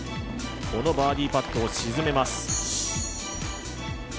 このバーディーパットを沈めます。